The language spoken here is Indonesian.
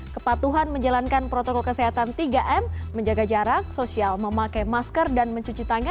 kepatuhan menjalankan protokol kesehatan tiga m menjaga jarak sosial memakai masker dan mencuci tangan